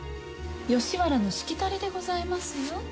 吉原のしきたりでございますよ。